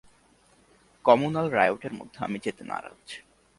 Communal রায়টের মধ্যে আমি যেতে নারাজ।